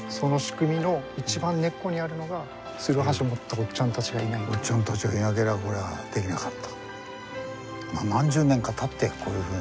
おっちゃんたちがいなけりゃこれはできなかった。